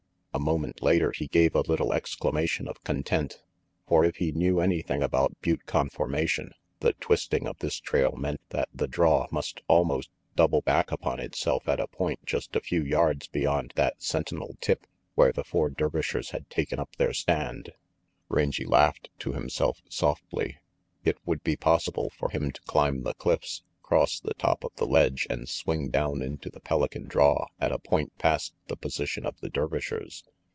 A moment later he gave a little exclamation of content. For if he knew anything about butte conformation, the twisting of this trail meant that the draw must almost double back upon itself at a point just a few yards beyond that sentinel tip where the four Dervishers had taken up their stand. Rangy laughed to himself softly. It would be possible for him to climb the cliffs, cross the top of the ledge, and swing down into the Pelican draw at a point past the position of the Dervishers.